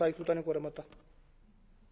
これまた。